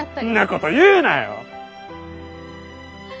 んなこと言うなよ！